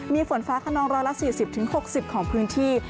มีฝนฟ้าขนองร้อยละ๔๐ถึง๖๐ของพื้นที่